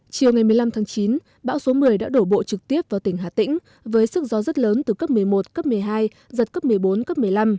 chiều ngày một mươi năm tháng chín bão số một mươi đã đổ bộ trực tiếp vào tỉnh hà tĩnh với sức gió rất lớn từ cấp một mươi một cấp một mươi hai giật cấp một mươi bốn cấp một mươi năm